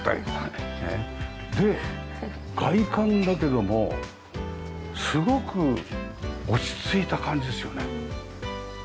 で外観だけどもすごく落ち着いた感じですよね。